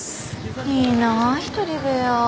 いいなぁ一人部屋。